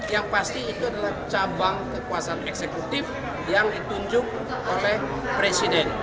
yang pasti itu adalah cabang kekuasaan eksekutif yang ditunjuk oleh presiden